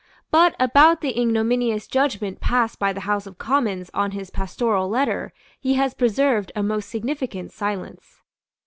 But about the ignominious judgment passed by the House of Commons on his Pastoral Letter he has preserved a most significant silence.